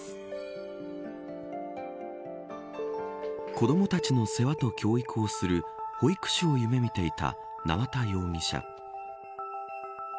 子どもたちの世話と教育をする保育士を夢見ていた縄田容疑者。